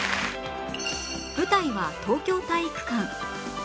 舞台は東京体育館